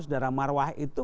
sedara marwah itu